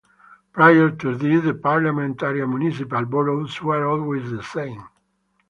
Prior to this, the Parliamentary and Municipal Boroughs were always the same.